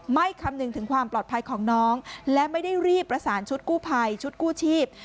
คำนึงถึงความปลอดภัยของน้องและไม่ได้รีบประสานชุดกู้ภัยชุดกู้ชีพ